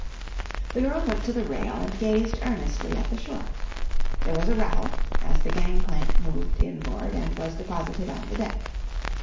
The girl went to the rail and gazed earnestly at the shore. There was a rattle, as the gang plank moved in board and was deposited on the deck.